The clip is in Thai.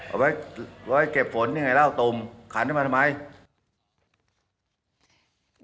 เอาไว้เก็บฝนนี่ไงเหล้าตมขันขึ้นมาทำไม